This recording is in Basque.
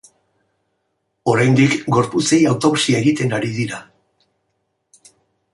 Oraindik gorputzei autopsia egiten ari dira.